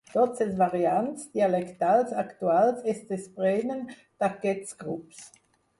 Totes les variants dialectals actuals es desprenen d'aquests grups.